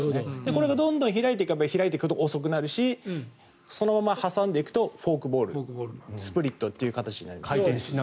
これがどんどん開いていけば開いていくほど遅くなるしそのまま挟んでいくとフォークボール、スプリットとなります。